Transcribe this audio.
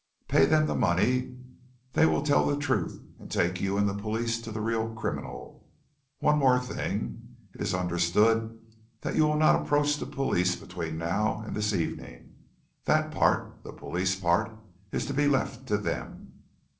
Pay them the money they will tell the truth and take you and the police to the real criminal. One more thing it is understood that you will not approach the police between now and this evening. That part the police part is to be left to them."